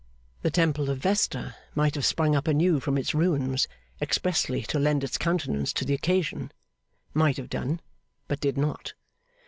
The Temple of Vesta might have sprung up anew from its ruins, expressly to lend its countenance to the occasion. Might have done; but did not.